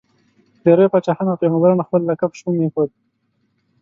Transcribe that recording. ډېری پاچاهانو او پيغمبرانو خپل لقب شپون ایښود.